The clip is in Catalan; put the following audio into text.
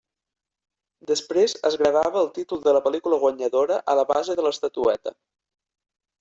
Després es gravava el títol de la pel·lícula guanyadora a la base de l'estatueta.